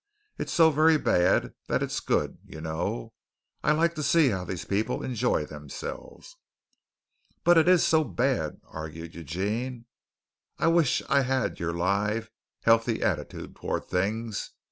"It's so very bad that it's good, you know. I like to see how these people enjoy themselves." "But it is so bad," argued Eugene. "I wish I had your live, healthy attitude toward things.